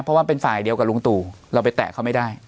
เพราะว่าเป็นฝ่ายเดียวกับลุงตู่เราไปแตะเขาไม่ได้